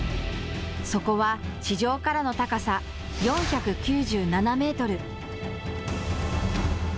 そこは地上からの高さ４９７メートル。